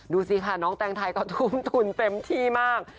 ดูสิค่ะน้องแตงไทยก็ทุ่มทุนเต็มที่มาก